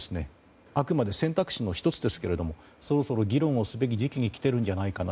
あくまで選択肢の１つですがそろそろ議論をすべき時期にきてるんじゃないかな。